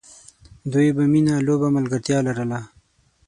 دوی به مینه، لوبه او ملګرتیا لرله.